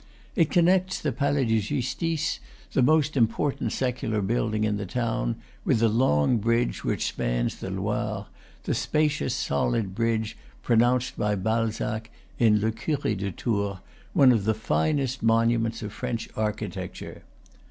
It connects the Palais de Justice, the most important secular building in the town, with the long bridge which spans the Loire, the spacious, solid bridge pronounced by Balzac, in "Le Cure de Tours," "one of the finest monuments of French architecture."